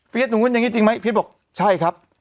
หนูเป็นอย่างนี้จริงไหมเฟียสบอกใช่ครับ